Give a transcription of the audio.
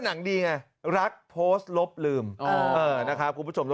หนังดีไงรักโพสต์ลบลืม